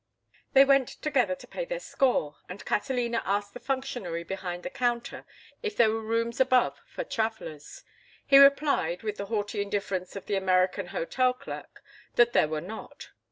They went together to pay their score, and Catalina asked the functionary behind the counter if there were rooms above for travellers. He replied, with the haughty indifference of the American hotel clerk, that there were not.